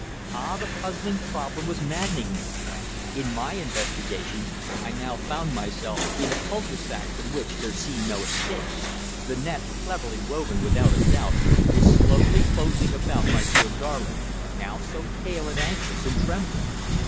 Ah! The puzzling problem was maddening me. In my investigations I now found myself in a cul de sac from which there seemed no escape. The net, cleverly woven without a doubt, was slowly closing about my poor darling, now so pale, and anxious, and trembling.